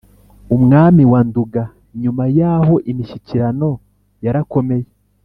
umwami wa nduga. nyuma y'aho imishyikirano yarakomeye